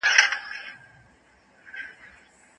فساد د ټولني هر اړخیز نظام له منځه وړي.